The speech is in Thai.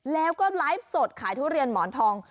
แล้วก็ไลฟ์สดขายทุเรียนหมอนทอง